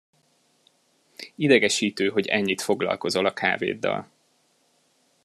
Idegesítő, hogy ennyit foglalkozol a kávéddal.